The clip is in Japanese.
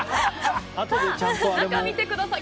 中を見てください。